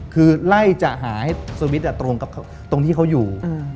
คือไล่จะหาให้สวิตซ์ตรงที่เขาอยู่